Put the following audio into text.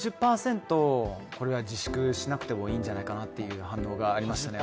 ８０％、自粛しなくてもいいんじゃないかという反応がありましたね。